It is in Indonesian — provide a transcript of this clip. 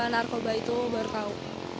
narkoba itu baru tahu